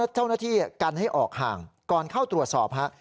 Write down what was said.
เจ้าหน้าที่กันให้ออกห่างก่อนเข้าตรวจสอบฮะ